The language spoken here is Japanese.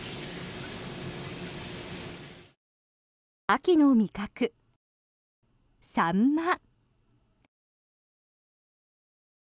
秋の味覚、サンマ。